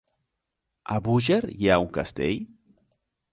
A Búger hi ha un castell?